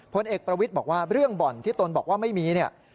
ผลเอกประวิทย์บอกว่าเรื่องบ่อนที่ตนบอกว่าไม่มีเนี่ย